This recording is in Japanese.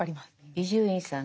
伊集院さん